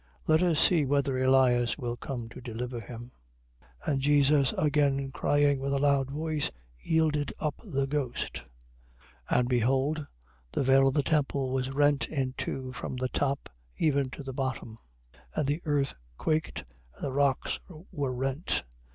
Let us see whether Elias will come to deliver him. 27:50. And Jesus again crying with a loud voice, yielded up the ghost. 27:51. And behold the veil of the temple was rent in two from the top even to the bottom: and the earth quaked and the rocks were rent.